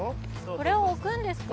・これを置くんですか？